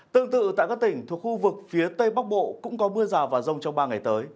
tương tự tại các tỉnh thuộc khu vực phía tây bắc bộ cũng có mưa rào và rông trong ba ngày tới